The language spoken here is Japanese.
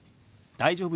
「大丈夫？」。